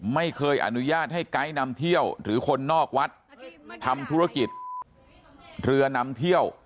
ไม่เคยอนุญาตให้ไกด์นำเที่ยวหรือคนนอกวัดทำธุรกิจเรือนำเที่ยว